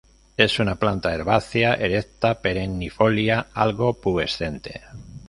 Es una planta herbácea erecta perennifolia, algo pubescente.